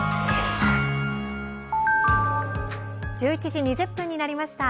１１時２０分になりました。